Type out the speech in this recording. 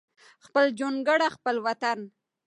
خپل جونګړه خپل وطن